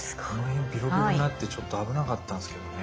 ビロビロになってちょっと危なかったんですけどね。